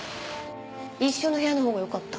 一緒の部屋の方がよかった？